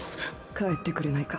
帰ってくれないか。